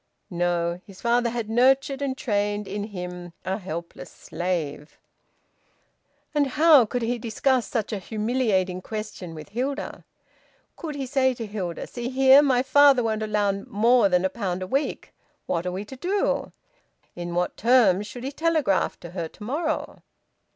No! His father had nurtured and trained, in him, a helpless slave. And how could he discuss such a humiliating question with Hilda? Could he say to Hilda: "See here, my father won't allow me more than a pound a week. What are we to do?" In what terms should he telegraph to her to morrow?